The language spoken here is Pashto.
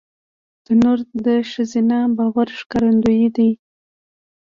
تنور د ښځینه باور ښکارندوی دی